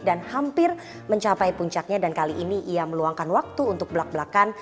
dan hampir mencapai puncaknya dan kali ini ia meluangkan waktu untuk belak belakan